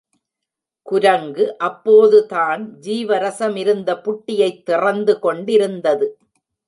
குரங்கு அப்போது தான் ஜீவரசம் இருந்த புட்டியைத் திறந்து கொண்டிருந்தது.